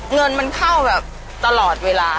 เงินมันเข้าแบบตลอดเวลา